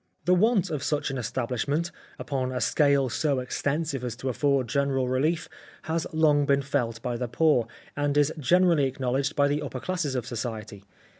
" The want of such an establishment, upon a scale so extensive as to afford general relief, has long been felt by the poor, and is generally acknowledged by the upper classes of society.